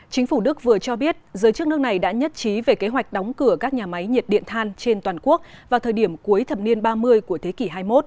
chính phủ đức vừa cho biết giới chức nước này đã nhất trí về kế hoạch đóng cửa các nhà máy nhiệt điện than trên toàn quốc vào thời điểm cuối thập niên ba mươi của thế kỷ hai mươi một